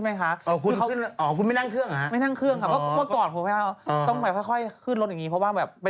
อย่างรถอย่างนี้ประสบการณ์เคยขึ้นใช่ไหมคะ